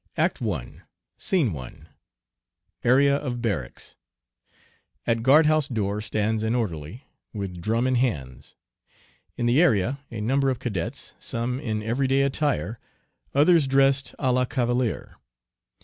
ACT I. SCENE I. Area of barracks. At guard house door stands an orderly, with drum in hands. In the area a number of cadets, some in every day attire, others dressed à la cavalier.